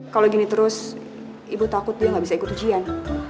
kalau gini terus ibu takut dia nggak bisa ikut ujian